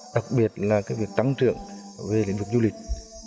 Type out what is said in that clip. đặc biệt là việc tăng trưởng về lĩnh vực du lịch